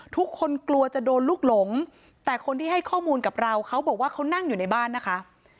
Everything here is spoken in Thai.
ทุกคนกลัวจะโดนลูกหลงแต่คนที่ให้ข้อมูลกับเราเขาบอกว่าเขานั่งอยู่ในบ้านนะคะ